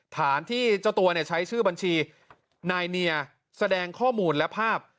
ฐานที่เจ้าตัวใช้ชื่อบัญชีนายเนียแสดงข้อมูลและภาพ